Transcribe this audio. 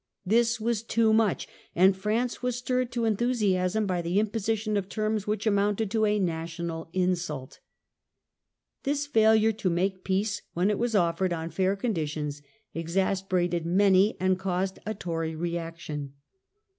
This was too much; and France was stirred to enthusiasm by the imposition of terms which amounted to a national insult. This failure to make peace when it was offered on fair conditions exasperated many and caused a Tory reaction.